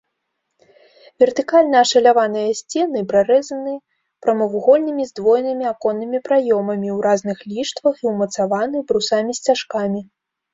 Вертыкальна ашаляваныя сцены прарэзаны прамавугольнымі здвоенымі аконнымі праёмамі ў разных ліштвах і ўмацаваны брусамі-сцяжкамі.